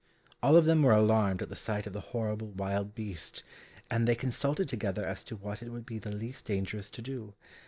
All of them were alarmed at the sight of the horrible wild beast, and they consulted together as to what it would be the least dangerous to do.